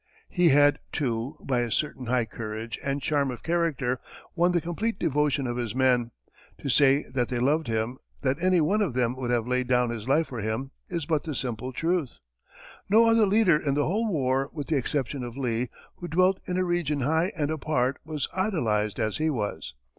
He had, too, by a certain high courage and charm of character, won the complete devotion of his men; to say that they loved him, that any one of them would have laid down his life for him, is but the simple truth. No other leader in the whole war, with the exception of Lee, who dwelt in a region high and apart, was idolized as he was.